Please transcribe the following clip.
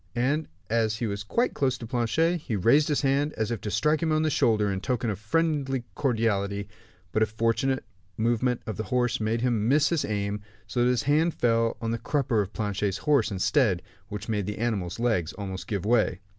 And as he was quite close to Planchet, he raised his hand, as if to strike him on the shoulder, in token of friendly cordiality; but a fortunate movement of the horse made him miss his aim, so that his hand fell on the crupper of Planchet's horse, instead; which made the animal's legs almost give way.